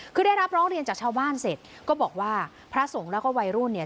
คือได้รับร้องเรียนจากชาวบ้านเสร็จก็บอกว่าพระสงฆ์แล้วก็วัยรุ่นเนี่ย